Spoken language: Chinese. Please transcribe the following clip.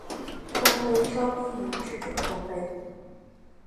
丰碑稍低于智者丰碑。